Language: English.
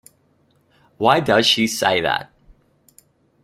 Why does she say that?